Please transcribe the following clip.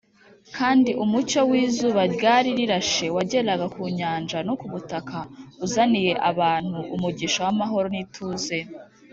kandi umucyo w’izuba ryari rirashe wageraga ku nyanja no ku butaka uzaniye abantu umugisha w’amahoro n’ituze